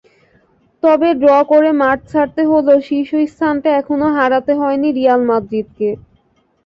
তবে ড্র করে মাঠ ছাড়তে হলেও শীর্ষস্থানটা এখনো হারাতে হয়নি রিয়াল মাদ্রিদকে।